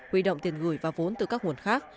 huy động tiền gửi và vốn từ các nguồn khác